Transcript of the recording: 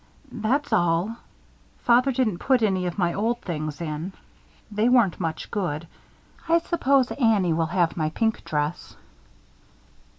"That's all. Father didn't put any of my old things in. They weren't much good I suppose Annie will have my pink dress."